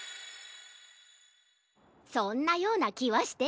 そんなようなきはしてたよ。